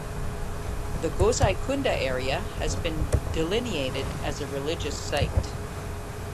The Gosaikunda area has been delineated as a religious site.